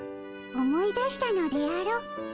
思い出したのであろ？